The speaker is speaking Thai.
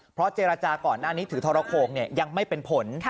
เพราะเจรจาก่อนหน้านี้ถือทรโขงยังไม่เป็นผล